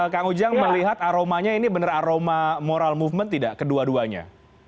kang ujang melihat aromanya ini benar aroma moral movement tidak kedua duanya